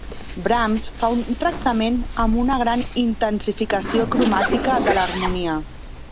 Brahms fa un tractament amb una gran intensificació cromàtica de l'harmonia.